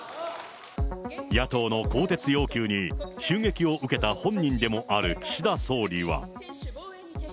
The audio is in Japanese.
野党の更迭要求に、襲撃を受けた本人でもある岸田総理は。